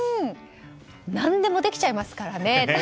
何でもできちゃいますからね。